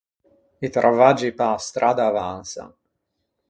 I travaggi pe-a stradda avansan.